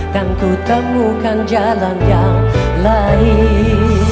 dan kutemukan jalan yang lain